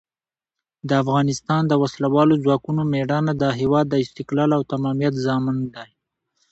د افغانستان د وسلوالو ځواکونو مېړانه د هېواد د استقلال او تمامیت ضامن ده.